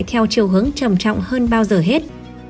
theo chiều hướng trầm trọng hơn bao giờ hết